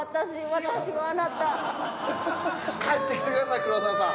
帰ってきてください黒沢さん。